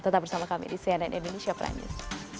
tetap bersama kami di cnn indonesia prime news